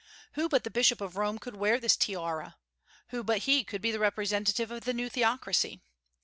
Who but the Bishop of Rome could wear this tiara? Who but he could be the representative of the new theocracy?